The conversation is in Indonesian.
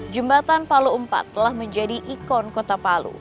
jembatan palu iv telah menjadi ikon kota palu